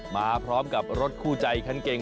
มาพร้อมกับรถคู่ใจคันเก่ง